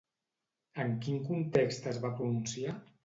En quin context es va pronunciar?